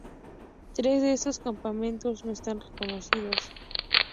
Tres de estos campamentos no están reconocidos.